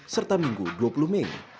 serta minggu dua puluh mei